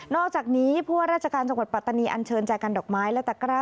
อกจากนี้ผู้ว่าราชการจังหวัดปัตตานีอันเชิญแจกันดอกไม้และตะกร้า